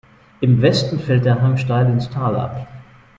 Im Westen fällt der Hang steil ins Tal ab.